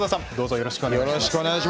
よろしくお願いします。